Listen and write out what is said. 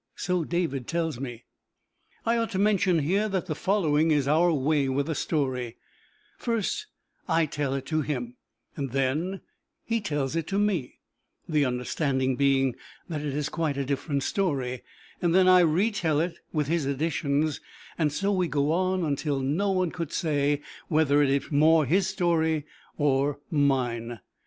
So David tells me. I ought to mention here that the following is our way with a story: First, I tell it to him, and then he tells it to me, the understanding being that it is quite a different story; and then I retell it with his additions, and so we go on until no one could say whether it is more his story or mine.